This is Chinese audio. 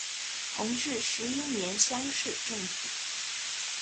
弘治十一年乡试中举。